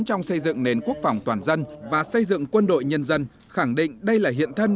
trong xây dựng nền quốc phòng toàn dân và xây dựng quân đội nhân dân khẳng định đây là hiện thân